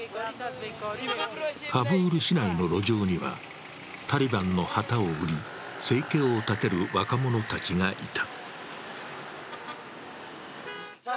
カブール市内の路上には、タリバンの旗を売り生計を立てる若者たちがいた。